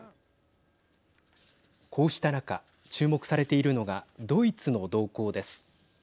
こうした中、注目されているのがドイツの動向です。